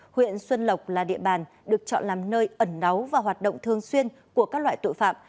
huyện xuân lộc là địa bàn được chọn làm nơi ẩn náu và hoạt động thường xuyên của các loại tội phạm